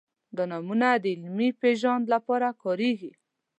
دا نومونه د علمي پېژند لپاره کارېږي.